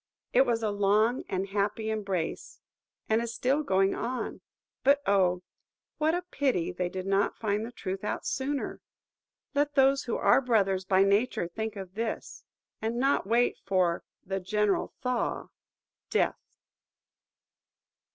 It was a long and happy embrace: it is going on still! But, oh! What a pity they did not find the truth out sooner! Let those who are brothers by nature think of this, and not wait for The General Thaw–Death.